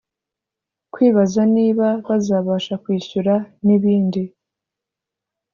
kwibaza niba bazabasha kwishyura n’ibindi